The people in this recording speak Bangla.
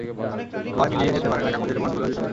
হাওয়ায় মিলিয়ে যেতে পারে না, কাগজের বন্ড গলেও যেতে পারে না।